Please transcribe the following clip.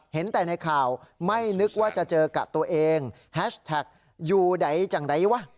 เห็นแต่ในค่าวไม่นึกว่าจะเจอกัดตัวเองหาสไทค์อยู่ไดจังใดวะ